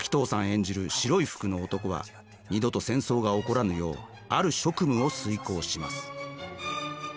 演じる白い服の男は二度と戦争が起こらぬようある職務を遂行します。